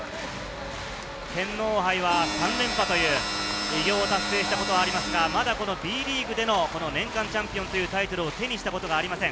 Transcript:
天皇杯は３連覇という偉業を達成したことはありますが、まだこのＢリーグでの年間チャンピオンというタイトルは手にしたことがありません。